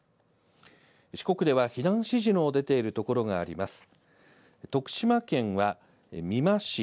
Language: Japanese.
四国では避難指示の出ているところがあります。